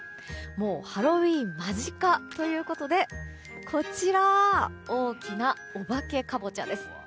もうハロウィーン間近ということでこちら大きなオバケカボチャです。